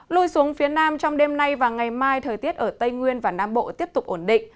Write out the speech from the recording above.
lui xuống phía nam trong đêm nay và ngày mai thời tiết ở tây nguyên và nam bộ tiếp tục ổn định